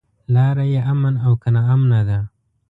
لاره يې امن او که ناامنه ده.